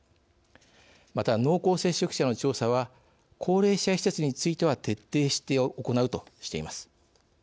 また、濃厚接触者の調査は高齢者施設については徹底して行うとしています。